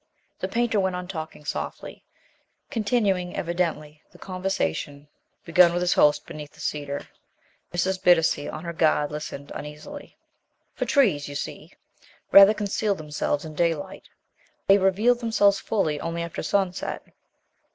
The painter went on talking softly, continuing evidently the conversation begun with his host beneath the cedar. Mrs. Bittacy, on her guard, listened uneasily. "For trees, you see, rather conceal themselves in daylight. They reveal themselves fully only after sunset.